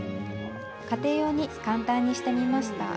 家庭用に簡単にしてみました。